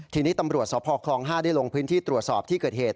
ทีนี้ตำรวจสพคลอง๕ได้ลงพื้นที่ตรวจสอบที่เกิดเหตุ